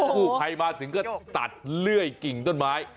ผู้ภัยมาถึงก็ตัดเลื่อยกิ่งต้นไม้